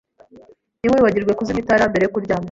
Ntiwibagirwe kuzimya itara mbere yo kuryama.